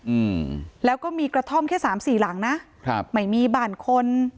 อืมแล้วก็มีกระท่อมแค่สามสี่หลังนะครับไม่มีบ้านคน